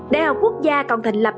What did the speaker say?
đại học quốc gia còn thành lập